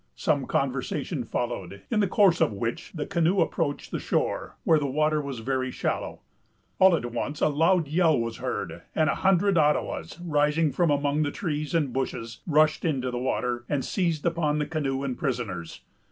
Some conversation followed, in the course of which the canoe approached the shore, where the water was very shallow. All at once, a loud yell was heard, and a hundred Ottawas, rising from among the trees and bushes, rushed into the water, and seized upon the canoe and prisoners.